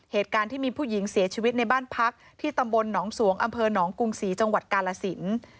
เหตุการณ์ที่มีผู้หญิงเสียชีวิตในบ้านพักที่ตำบลหนองสวงอำเภอหนองกรุงศรีจังหวัดกาลสิน